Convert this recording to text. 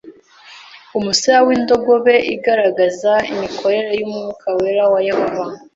umusaya w indogobe igaragaza imikorere y umwuka wera wa Yehova